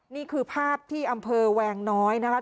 นี่คือภาพที่อำเภอแวงน้อยนะคะ